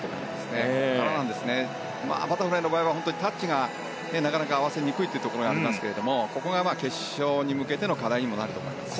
ただ、バタフライの場合はタッチがなかなか合わせにくいというところがありますがここが決勝に向けての課題にもなると思います。